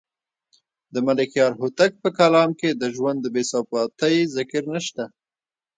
د ملکیار هوتک په کلام کې د ژوند د بې ثباتۍ ذکر نشته.